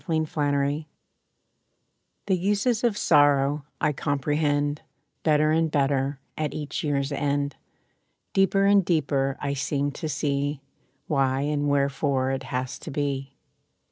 =Sorrow's Uses= The uses of sorrow I comprehend Better and better at each year's end. Deeper and deeper I seem to see Why and wherefore it has to be.